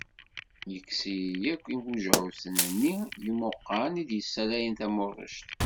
Yekkes-iyi akk wejɛuɛu-nni d yemɛuqan i d-yessalayen tamurejt.